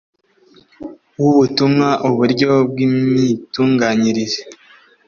W ubutumwa uburyo bw imitunganyirize